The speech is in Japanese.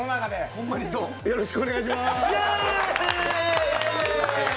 ホンマにそう、よろしくお願いします。